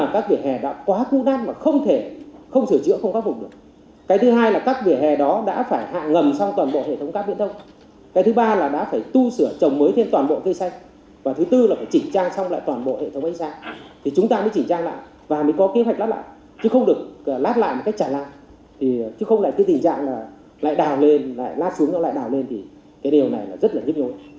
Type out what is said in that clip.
chứ không được lát lại một cách chặt lan chứ không lại tình trạng là lại đào lên lại lát xuống lại đào lên thì cái điều này rất là hiếp nhối